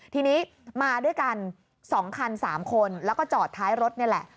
ทีนี้มาด้วยกัน๒คัน๓คนแล้วก็จอดท้ายรถนี่แหละ